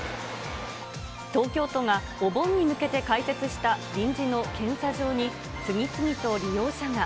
東京都がお盆に向けて開設した臨時の検査場に、次々と利用者が。